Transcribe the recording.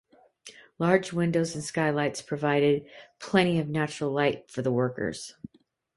Large windows and skylights provided plenty of natural light for the workers.